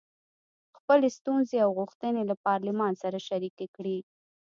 خپلې ستونزې او غوښتنې له پارلمان سره شریکې کړي.